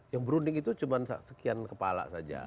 yang berunding itu cuma sekian kepala saja